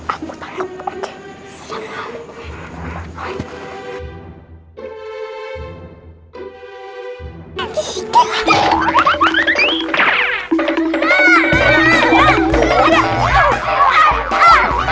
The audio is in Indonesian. aku jaga belakang biar mereka tak takut